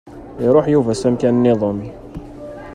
Iruḥ Yuba s amkan-nniḍen.